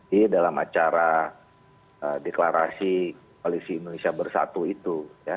di dalam acara deklarasi koalisi indonesia bersatu itu